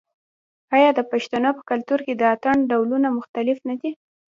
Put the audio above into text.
آیا د پښتنو په کلتور کې د اتن ډولونه مختلف نه دي؟